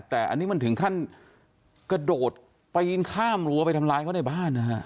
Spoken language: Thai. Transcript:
แต่อันนี้มันถึงขั้นกระโดดปีนข้ามรั้วไปทำร้ายเขาในบ้านนะฮะ